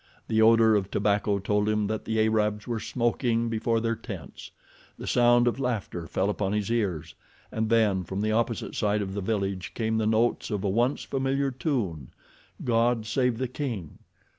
The odor of tobacco told him that the Arabs were smoking before their tents. The sound of laughter fell upon his ears, and then from the opposite side of the village came the notes of a once familiar tune: God Save the King.